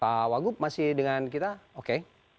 pak wagup masih dengan kita oke